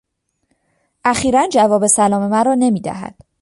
اخیرا جواب سلام مرا نمیدهد.